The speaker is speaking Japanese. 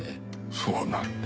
そうなんだ。